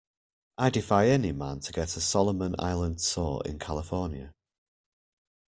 I defy any man to get a Solomon Island sore in California.